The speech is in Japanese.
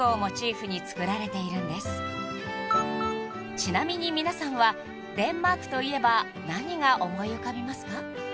［ちなみに皆さんはデンマークといえば何が思い浮かびますか？］